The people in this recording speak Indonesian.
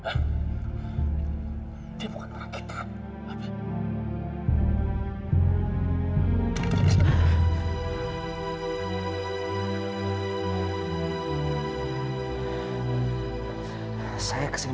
dia entah slogan apa yang kamu bilang